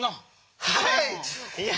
はい！